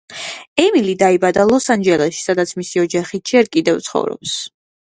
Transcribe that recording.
ემილი დაიბადა ლოს-ანჯელესში, სადაც მისი ოჯახი ჯერ კიდევ ცხოვრობს.